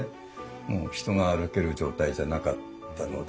もう人が歩ける状態じゃなかったので。